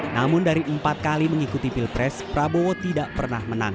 namun dari empat kali mengikuti pilpres prabowo tidak pernah menang